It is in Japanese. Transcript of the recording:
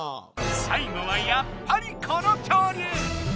最後はやっぱりこの恐竜！